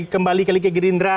kembali ke gerindra